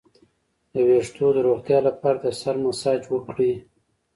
د ویښتو د روغتیا لپاره د سر مساج وکړئ